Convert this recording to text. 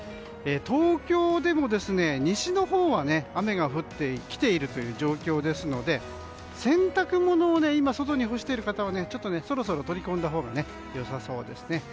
東京でも西のほうは雨が降ってきている状況ですので洗濯物を今、外に干している方はそろそろ取り込んだほうが良さそうですね。